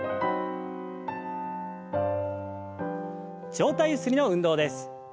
上体ゆすりの運動です。